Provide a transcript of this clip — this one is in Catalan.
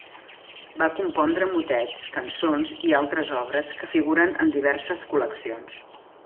Va compondre motets, cançons i altres obres, que figuren en diverses col·leccions.